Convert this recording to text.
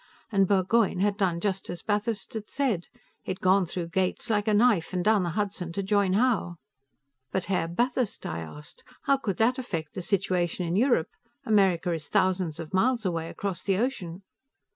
And Burgoyne had done just as Bathurst had said; he had gone through Gates like a knife, and down the Hudson to join Howe. "But, Herr Bathurst," I asked, "how could that affect the situation in Europe? America is thousands of miles away, across the ocean."